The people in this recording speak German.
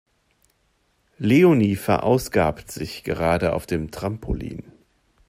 Leonie verausgabt sich gerade auf dem Trampolin.